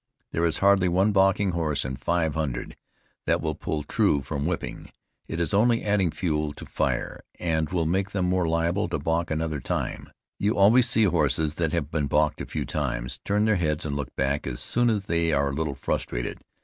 There is hardly one balking horse in five hundred that will pull true from whipping; it is only adding fuel to fire, and will make them more liable to balk another time. You always see horses that have been balked a few times, turn their heads and look back, as soon as they are a little frustrated.